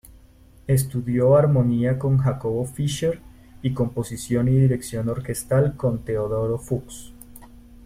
Estudió armonía con Jacobo Fischer y composición y dirección orquestal con Teodoro Fuchs.